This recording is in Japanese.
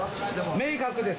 明確です。